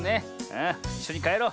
ああいっしょにかえろう。